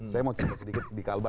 saya mau coba sedikit di kalbar